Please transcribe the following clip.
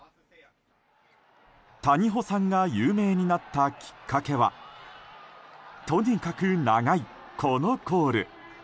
谷保さんが有名になったきっかけはとにかく長い、このコール。